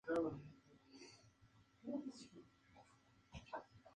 Un pequeño cráter se localiza en la pared interior occidental.